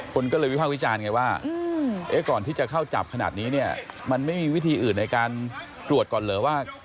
คนก็เลยวิภาควิจารณ์ไงว่าก่อนที่จะเข้าจับขนาดนี้เนี่ยมันไม่มีวิธีอื่นในการตรวจก่อนเหรอว่า